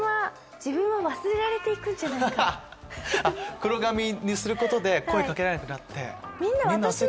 黒髪にすることで声掛けられなくなって。